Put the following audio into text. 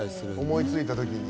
思いついた時に。